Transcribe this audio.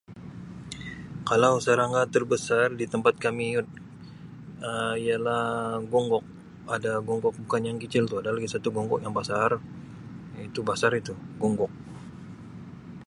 Kalau serangga terbesar di tempat kami Um ialah gonggok. Ada gonggok, bukan yang kicil tu ada lagi satu gonggok yang basar, itu basar itu gonggok.